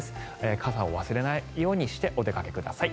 傘を忘れないようにしてお出かけください。